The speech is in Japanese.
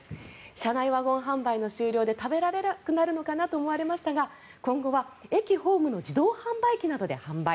車内ワゴン販売の終了で食べられなくなるのかなと思われましたが今後は駅ホームの自動販売機などで販売。